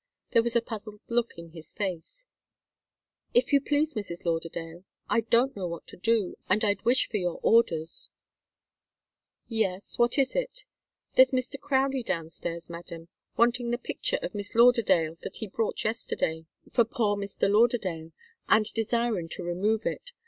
There was a puzzled look in his face. "If you please, Mrs. Lauderdale, I don't know what to do, and I'd wish for your orders " "Yes what is it?" "There's Mr. Crowdie downstairs, madam, wanting the picture of Miss Lauderdale that he brought yesterday for poor Mr. Lauderdale, and desirin' to remove it.